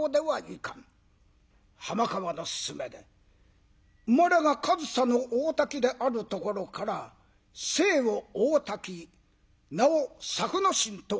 浜川の勧めで生まれが上総の大多喜であるところから姓を「大多喜」名を「作之進」と改めます。